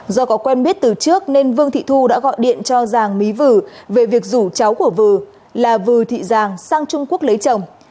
do có quen biết từ trước nên vương thị thu đã gọi điện cho giàng mí vư về việc rủ cháu của vừ là vừ thị giàng sang trung quốc lấy chồng